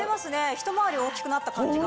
ひと回り大きくなった感じが。